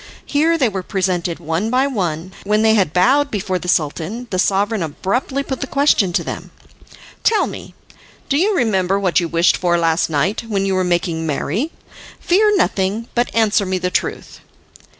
Here they were presented one by one, and when they had bowed before the Sultan, the sovereign abruptly put the question to them: "Tell me, do you remember what you wished for last night, when you were making merry? Fear nothing, but answer me the truth."